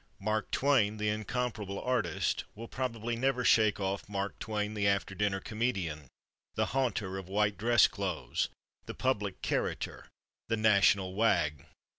Mark Twain, the incomparable artist, will probably never shake off Mark Twain, the after dinner comedian, the haunter of white dress clothes, the public character, the national wag.